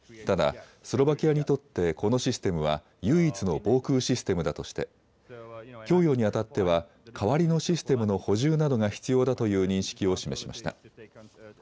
ただスロバキアにとってこのシステムは、唯一の防空システムだとして供与にあたっては代わりのシステムの補充などが必要だという認識を示しました。